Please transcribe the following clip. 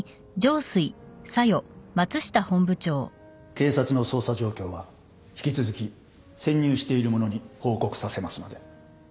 警察の捜査状況は引き続き潜入している者に報告させますので。